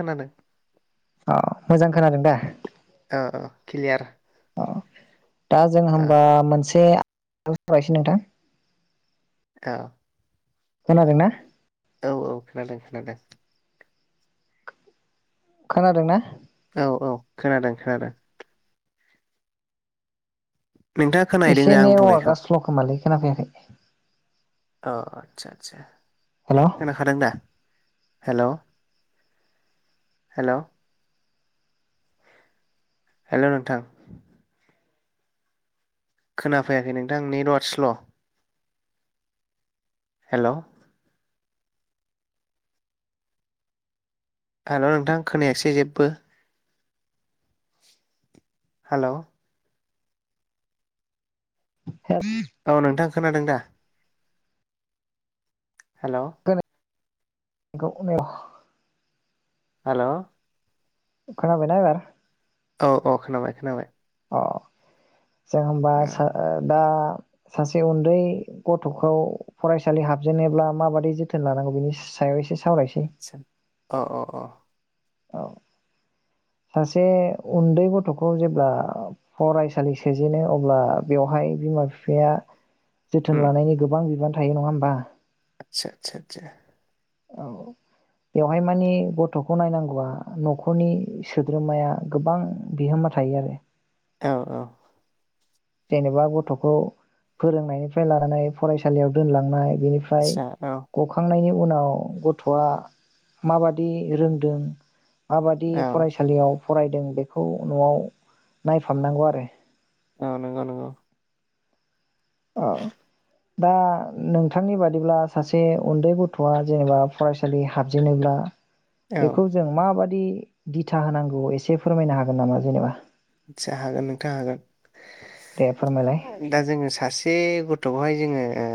खोनादों। अ मोजां खोनादों दा। ओ किलियार। अ दा जों होमबा मोनसे [unintelligible] नोंथां अ खोनादोंना? औ औ खोनादों-खोनादों। खोनादों ना? औ औ खोनादों-खोनादों। नोंथाङा खोनाहैदों एसे दा आं बुंनायखौ नेवार्कआ स्ल' खोमालै। खोना फैयाखै। अ आतसा-आतसा। हेल' खोनाखादों दा? हेल'-हेल' हेल' नोंथां। खोनाफैयाखै नोंथां नेटवार्क स्ल'। हेल' आर'' नोंथां खोनायासै जेबो। हेल' हे औ नोंथां खोनादों दा? हेल' [unintelligible] हेल' खोनाबायना एबार। औ औ खोनाबाय-खोनाबाय। अ जों होमबा औ सा दा सासे उन्दै गथ'खौ फरायसालि हाबजेनोब्ला माबादि जोथोन लानांगौ बिनि सायाव एसे सावरायसै सा अ अ अ। औ सासे उन्दै गथ'खौ जेब्ला फरायसालि सोजेनो अब्ला बेवहाय बिमा बिफाया उम जोथोन लानायनि गोबां बिबान थायो नङा होमबा आदसा सा सा औ बेवहाय मानि गथ'खौ नायनां गौवा न'खरनि सोद्रोमाया गोबां बिहोमा थायो आरो औ औ जेनेबा गथ'खौ फोरोंनायनिफ्राय लानानै फरायसालियाव दोनलांनाय बेनिफ्राय आदसा औ गखांनायनि उनाव गथ'आ माबादि रोंदों माबादि औ फरायसालियाव फरायदों बेखौ न'आव नायफामनांगौ आरो औ नोंगौ नोंगौ अ दा नोंथांनि बादिब्ला सासे उन्दै गथ'आ जेनेबा फरायसालि हाबजेनोब्ला औ बेखौ जों माबा दि दिथा होनांगौ एसे फोरमायनो हागोन नामा जेनोबा आदसा हागोन नोंथां हागोन दे फोरमायलाय दा जोङो सासे गथ'खौहाय जोङो ओ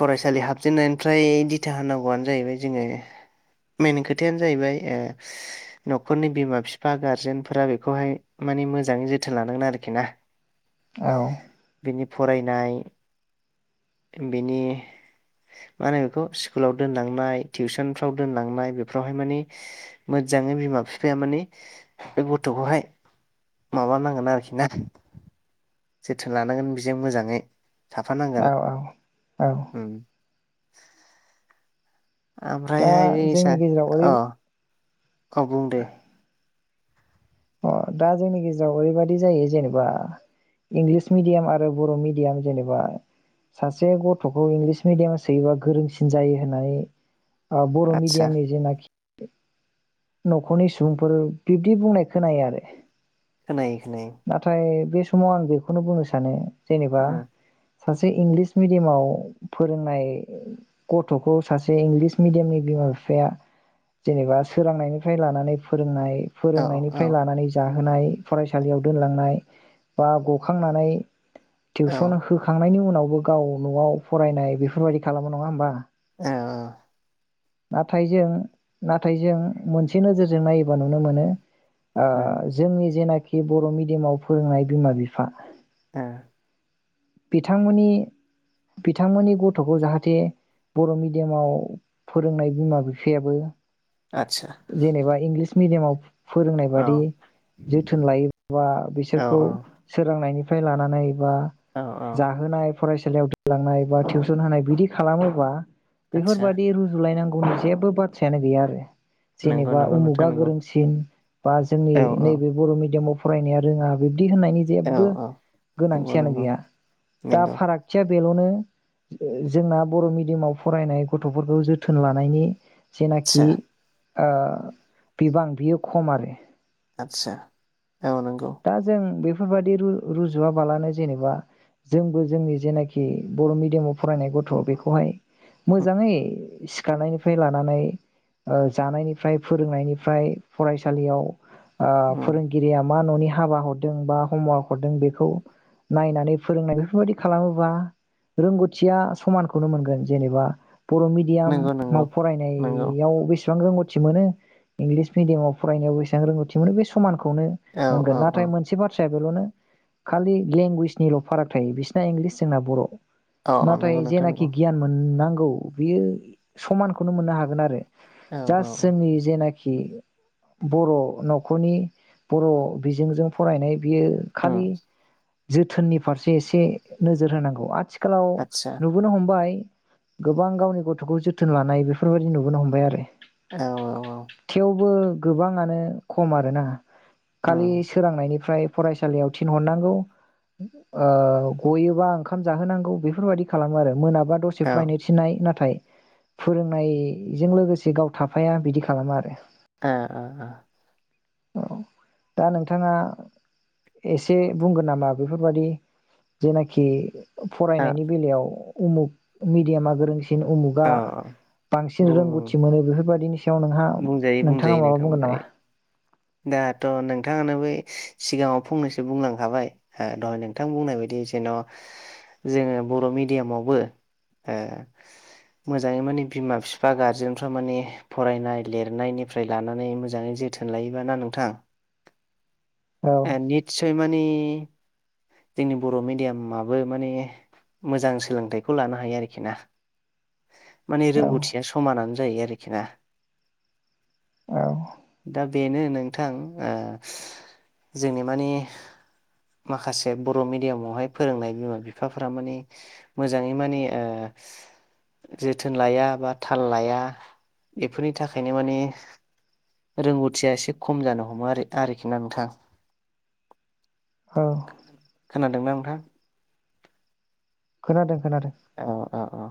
फरायसालि हाबजेननायनिफ्राय दिथा होनांगौआनो जाहैबाय जोङो मेन खोथायानो जाहैबाय ओ न'खरनि बिमा बिफा गारजेनफोरा बेखौहाय मानि मोजाङै जोथोन लानांगोन आरोखि ना औ बिनि फरायनाय बेनि मा होनो बेखौ स्कुलाव दोनलांनाय टिउसनफ्राव दोनलांनाय बेफोरावहाय मानिे मोजाङै बिमा बिफाया मानि बे गथ'खौहाय माबानांगोन आरोखि ना जोथोन लानांगोन बिजों मोजाङै औ थाफानांगोन औ औ ओम [unintelligible] दा ओमफ्रायहाय जोंनि सार गेजेराव ओरै औ बुं दे अ दा जोंनि गेजेराव ओरैबायाददि जायो जेनेबा इंलिस मिडियाम आरो बर' मिडियाम जेनेबा सासे गथ'खौ इंलिस मिडियामा सोयोबा गोरोंसिन जायो होननानै ओ बर' आदसा मिडियामनि जेनाखि न'खरनि सुबुंफोर बिब्दि बुंनाय खोनायो आरो खोनायो खोनायो नाथाय बे समाव आं बेखौनो बुंनो सानो जेनेबा सासे इंलिस मिडियामाव फोरोंनाय गथ'खौ सासे इंलिस मिडियामनि बिमा बिफाया जेनेबा सोरांनायनिफ्राय लानानै फोरोंनाय ओ फोरोंनायनि औ निफ्राय लानानै जा होनाय फरायसालियाव दोनलांनाय बा गखांनानै औ टिउसन होखांनायनि उन नावबो गाव न'आव फरायनाय बेफोरबायदि खालामो नङा होमबा? औ‌ अ नाथाय जों नाथाय जों मोनसे नोजोरजों नायोबा नुनो मोनो। ओ जोंनि जेनाखि बर' मिडियामाव फोरोंनाय बिमा बिफा ओ बिथांमोननि बिथांमोननि गथ'खौ जाहाथे बर' मिडियामाव फोरोंनाय बिमा बिफायाबो आदसा जेनेबा इंलिस मिडियामाव फोरोंनाय औ बादि जोथोन लायोबा औ बिसोरखौ सोरांनायनि फ्राय लानानै एबा औ औ जाहोनाय फरायसालियाव दोनलांनाय बा टिउसन होनाय बिदि खालामोबा आदसा बेफोरबादि रुजुलायनांग गौनि जेबो बाथ्रायानो गैया आरो नंगौ जेनेबा नंगौ नोंथां उमुगा नंगौ गोरोंसिन बा जोंनि औ औ नैबे बर' मिडियामाव फ फरायनाया रोङा बि दि होननायनि औ जेबो औ नंगौ गोनांथियानो नंगौ गैया। दा नंगौ फारागथिया बेल'नो ओ जोंना बर' मिडियामाव फरायनाय गथ'फोरखौ जोथोन लानायनि जेनाखि आदसा ओ बिबां बियो खम आरो आतसा औ नंगौ। बेफोरबायदि रु-रुजुवाबालानो जेनेबा जोंबो जोंनि जेनाखि बर' मिडियामाव फरायनाय गथ' बेखौहाय उम मोजाङै सिखारनायनिफ्राय लानानै ओ जानायनिफ्राय फोरोंनायनिफ्राय फरायसालियाव ओ फोरोंगिरिया मा न'नि हाबा हरदों बा हमवार्क हरदों बेखौ नायनानै फोरोंनाय बेफोरबायदि खालामोबा रोंगौथिया समानखौनो मोनगोन जेनेबा बर' नंगौ नंगौ मिडियामाव फराय नंगौ नायाव बेसे बेसेबां रोंगौथि मोनो इंलिस मिडियामाव फरायनायाव बेसेबां रोंगौथि मोनो बे समान खौनो औ मोनगोन औ औ नाथाय मोनसे बाथ्रा ट्राइबेलावनो खालि लेंगुवेजनिल' फाराग थायो बिसिना इंग्लिस जोंना बर' औ औ नाथाय नंगौ नोंथां जेनाखि नंगौ गियान मोननां औ बियो समानखौनो मोननो हागोन आरो औ औ जास औ जोंनि जेनाख बर' न'खरनि बर' बिजोंजों फरायनाय बियो उम खालि जोथोननि फारसे एसे नोजोर होनांगौ आथि खालाव आदसा नुबोनो हमबाय गोबां गावनि गथ'खौ जोथोन लानाय बेफोरबायदि नुबोनो हमबाय आरो औ औ थेवबो गोबाङानो खम आरोना खालि सोरांनायनिफ्राय फरायसालियाव थिनहरनांगौ ओ गयोबा ओंखाम जाहोनांगौ बेफोरबायदि खालामो आरो मोना बा दसे फरायनो थिननाय नाथाय फोरोंनायजों लोगोसे गाव थाफाया बिदि खालामो आरो ओ ओ ओ औ दा नोंथाङा एसे बुंगोन नामा बेफोरबादि? जेनाखि। फरायनायनि बेलायाव। उमुक मिडियामा गोरों। बांसिन औ उमुगा बांसिन रोंगौथि मोनो बेफोरबायाददिनि सायाव नोंहा। नोंथाङा बुंजायो-बुंजायो माबा नोंथां बुंगोन नामा बुंजायो। दाथ नोंथाङानो बै सिगाङाव फंनैसो बुंलांखाबाय दहाय नोंथां बुंनाय बायदि जेन' जोङो बर मिडियामावबो मोजाङै माने बिमा बिफा गारजेनफ्रा माने फरायनाय लिरनायनिफ्राय लानानै मोजाङै जोथोन लायो। बि ना नोंथां। औ ए निसय मानि। जोंनि बर मिडियामाबो माने मोजां सोलोंथाइखौ लानो हायो आरोखि ना। माने औ रोंगौथिया समानानो। ज आरोखि। औ बेनो नोंथां ओ जोंनि मानिे माखासे बर मिेडियामावहाय फोरोंनाय बिमा बिफाफोरा मानि मोजाङै माने जोथोन लाया बा थाल लाया बेफोरनि थाखायनो माने रोंगौथि। खुथिया एसे खम जानो हमो आरो आरोखि ना नोंथां। औ। खोनादोंना नोंथां। खोनादों। खोनादों औ-औ-औ।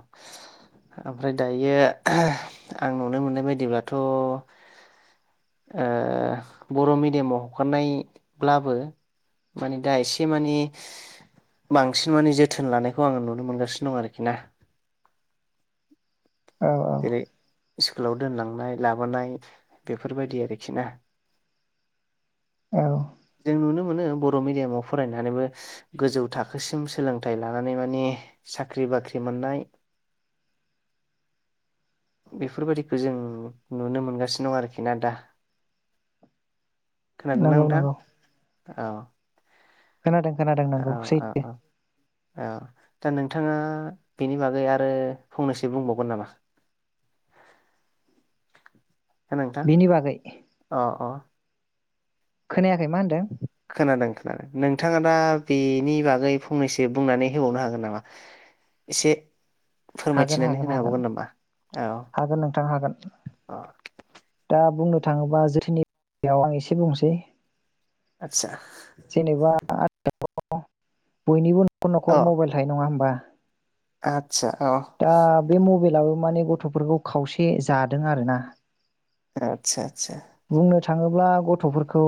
ओमफ्राय दायो आं नुनो मोननाय बायदिब्लाथ। बर मिडियामाव हगारनायब्लाबो माने दा एसे मानि बांसिन माने जोथोन लानायखौ आङो नुनो मोनगासिनो दं आरोखि ना। औ-औ। जेरै स्कुलाव दोनलांनाय लाबोनाय बेफोरबायदि आरोखि ना। औ जों नुनो मोनो। बर मिडियामाव फरायनानैबो गोजौ थाखोसिम सोलोंथाइ लानानै माने साख्रि बाख्रि मोननाय। बेफोरबायादिखौ जों नुनो मोनगासिनो दं आरोखि ना दा। खोनादोंना नंगौ नोंथां? नंगौ औ। खोनादों खोनादों औ नंगौ औ सैथो। थाङा बेनि बागै आरो फंनैसो बुंबावगोन नामा? हो नोंथां बिनि बागै अ अ। खोनायाखै मा होन्दों। खोनादों खोनादों नोंथाङा दा बेनि बागै फंनैसो बुंनानै होबावनो हागोन नामा एसे। हागोन फोरमायथिनानै हागोन होनो हागोन हाबावगोन नामा औ हागोन नोंथां हागोन अ दा बुंनो थाङोबा जोथोननि बेयाव आं एसे बुंनोसै। आचसा बयनिबो। 'खर न'खर मबाइल थायो नङा होमबा? आ दा बे मबेल अब्लाबो माने गथ'फोरखौ खावसे जादों आरो ना। आतसा आतसा। बुंनो थाङोब्ला गथ'फोरखौ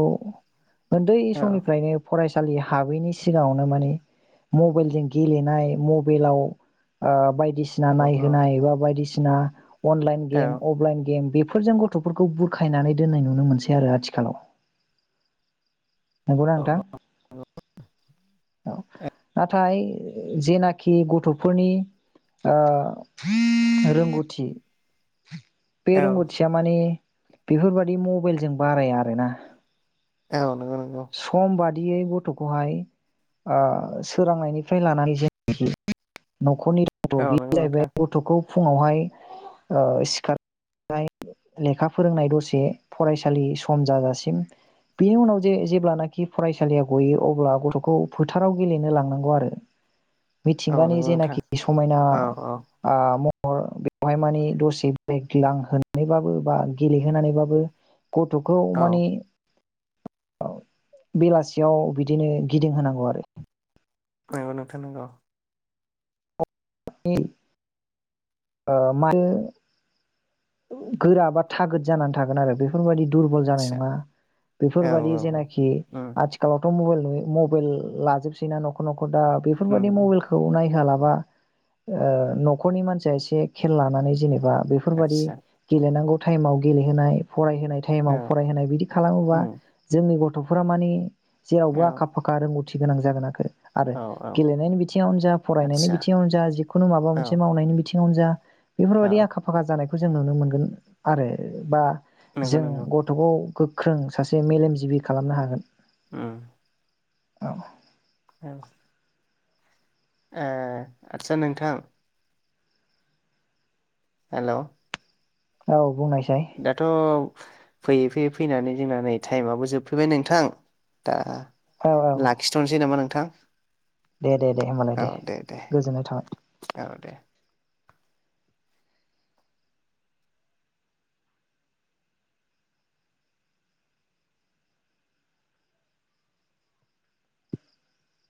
ओन्दै औ समनिफ्रायनो फरायसालि हाबैनि सिगाङावनो माने मबेलजों गेलेनाय मबेलाव ओ बाय दिसिना औ औ नायहोनाय बा बायदिसिना सिना अनलाइन औ गेम अफलाइन गेम बे फोरजों गथ'फोरखौ बुरखायनानै दोननाय नुनो मोनसै आरो आथिखालाव। नंगौना औ नोंथां? औ नाथाय जेनाखि गथ'फोरनि ओ रोंगौथि बेे औ रोंगथिया माने बेफोरबादि बे मबाइलजों बाराया आरोना। औ नंगौ नंगौ। दियै गथ'खौहाय ओ सोरांनायनिफ्राय लानानै जे खरनि गथ' औ बेयो नंगौ जाहैबाय नोंथां गथ'खौ फुङावहाय ओं सिखारनाय लेखा फोरोंनाय दसे फरायसालि सम जाजासिम बेनि उनाव जे जेब्लानाखि फरायसालिया गयो अब्ला गथ'खौ फोथाराव गेलेनो लांनांगौ आरो। औ मिथिंगानि नंगौ नोंथां जेनाखि समायना औ औ ओं महर ओं बेवहाय माने दसे बेरायग्लांहोनानैबाबो बा गेलेहोनानैबाबो गथ'खौ औ माने औ बेलासियाव बिदिनो गिदिं होनांगौ आरो। नंगौ नोंथां नंगौ। [unintelligible] ओं माने गोरा बा थागद जानानै थागोन आरो बेफोरबायदि दुरबल जानाय आदसा नङा औ बेफोरबायदि औ जेनाखि उम आथिखालाव मबाइल नुयो मबाइल लाजोबसै ना न' नख'र न'खर दा उम बेफोरबाददि उम मबाइलखौ नायहोयालाबा बा ओं न'खरनि मानसिया एसे खेल लानानै जेनेबा बा बेफोरबादि आदसा गेलेनांगौ टाइमाव गेलेहोनाय फरायहोनाय औ टाइमाव फरायहोनाय बिदि खालामोबा उम जोंनि गथ' गथ'फोरा माने औ जेरावबो आखा फाखा रोंगौथि [unintelligible] थि गोनां जागोन आखो आरो औ औ गेलेनायनि बिथिङावनो जा फरायनायनि आदसा बिथिङावनो जा जिखुनु माबा मोनसे औ मावनायनि बिथि थि [unintelligible] जा बेफोरबायदि औ आखा फाखा जानाय जों नुनो मोनगोन आरो बा नंगौ जों नंगौ गथ'खौ गोख्रों सासे मेलेमजिबि खालामनो हागोन उम औ औ ए आदसा नोंथां हेल' औ बुंनाय दाथ' फैयै फैयै फैनानै जोंना नै टाइमाबो जोबफैबाय नोंथां दा लाखिथ'नोसै नामा नोंथां दे-दे-दे होमबालाय दे गोजोननाय थाबाय औ दे